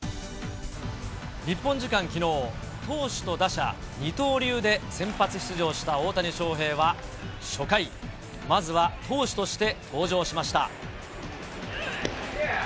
日本時間きのう、投手と打者、二刀流で先発出場した大谷翔平は初回、まずは投手として登場しました。